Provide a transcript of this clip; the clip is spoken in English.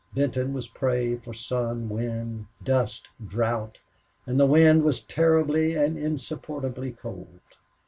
Benton was prey for sun, wind, dust, drought, and the wind was terribly and insupportably cold.